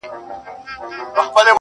مرگ په ماړه نس خوند کوي.